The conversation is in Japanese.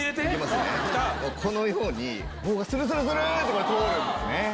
このように棒がスルスルスルッてこれ通るんですね。